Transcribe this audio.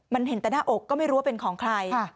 มันเห็นแต่หน้าอกก็ไม่รู้ว่าเป็นของใคร